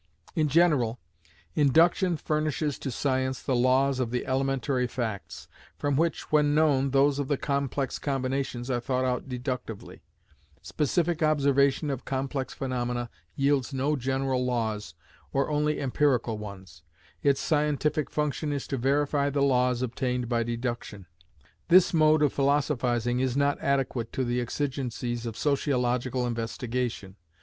In general, Induction furnishes to science the laws of the elementary facts, from which, when known, those of the complex combinations are thought out deductively: specific observation of complex phaenomena yields no general laws, or only empirical ones; its scientific function is to verify the laws obtained by deduction. This mode of philosophizing is not adequate to the exigencies of sociological investigation.